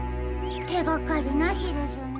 てがかりなしですね。